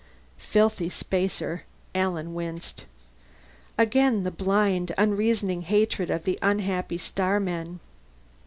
Filthy spacer. Alan winced. Again the blind, unreasoning hatred of the unhappy starmen.